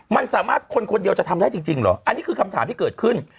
มันสามารถคนคนเดียวจะทำได้จริงเหรออันนี้คือคำถามที่เกิดขึ้น